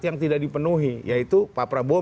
yang tidak dipenuhi yaitu pak prabowo